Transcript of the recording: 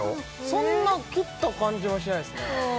そんな切った感じはしないですね